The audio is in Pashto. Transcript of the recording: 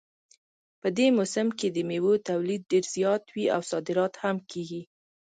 په دې موسم کې د میوو تولید ډېر زیات وي او صادرات هم کیږي